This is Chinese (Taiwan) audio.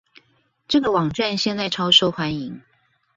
這個網站現在超受歡迎